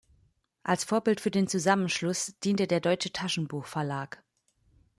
Als Vorbild für den Zusammenschluss diente der Deutsche Taschenbuch Verlag.